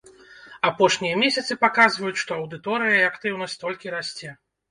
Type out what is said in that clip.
Апошнія месяцы паказваюць, што аўдыторыя і актыўнасць толькі расце.